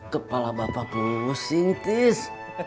kepala bapak pusing entis